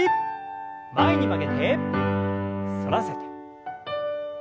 前に曲げて反らせて。